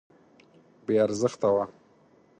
بې ارزښته وه.